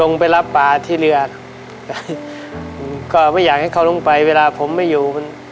ไปรับป่าที่เรือก็ไม่อยากให้เขาลงไปเวลาผมไม่อยู่มัน